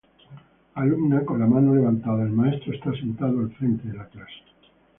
Alumna con la mano levantada; el maestro está sentado al frente de la clase